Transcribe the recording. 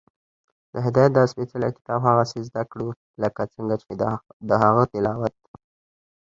د هدایت دا سپېڅلی کتاب هغسې زده کړو، لکه څنګه چې د هغه تلاوت